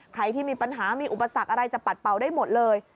ใครที่มีปัญหามีอุปสรรคอะไรจะปัดเป่าได้หมดเลย